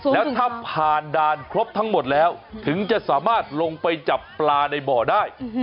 แล้วถ้าผ่านด่านครบทั้งหมดแล้วถึงจะสามารถลงไปจับปลาในบ่อได้